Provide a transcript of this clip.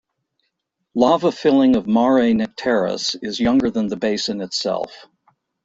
Lava filling of Mare Nectaris is younger than the basin itself.